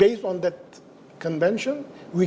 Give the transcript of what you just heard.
berdasarkan konvensi itu